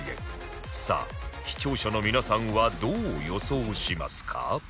さあ視聴者の皆さんはどう予想しますか？